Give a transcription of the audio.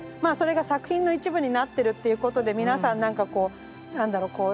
それが作品の一部になってるっていうことで皆さん何かこう何だろう